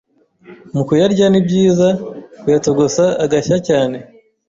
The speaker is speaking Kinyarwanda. Mu kuyarya ni byiza kuyatogosa agashya cyane